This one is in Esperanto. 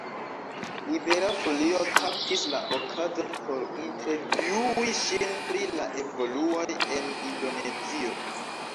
Libera Folio kaptis la okazon por intervjui ŝin pri la evoluoj en Indonezio.